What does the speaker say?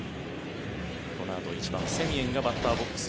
このあと、１番、セミエンがバッターボックス。